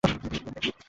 মার্টন, যাও।